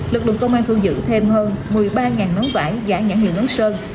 lực lượng công an thu giữ thêm hơn một mươi ba nón vải giả nhãn hiệu nón sơn